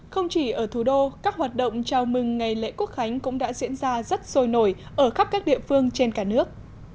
không chỉ ở thủ đô các hoạt động chào mừng ngày lễ quốc khánh cũng đã diễn ra rất sôi nổi ở khắp các địa phương trên cả nước